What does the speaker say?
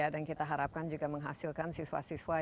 dan kita harapkan juga menghasilkan siswa siswa